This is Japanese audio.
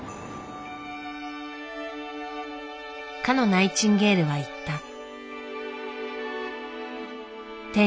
かのナイチンゲールは言った。